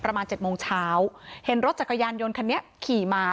ประมาณเจ็ดโมงเช้าเห็นรถจักรยานยนต์คันนี้ขี่มา